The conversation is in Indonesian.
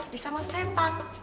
bisa sama setan